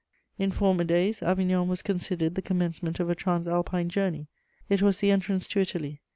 * In former days Avignon was considered the commencement of a Transalpine journey: it was the entrance to Italy.